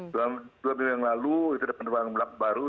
dua bulan yang lalu itu ada penerbangan belakang baru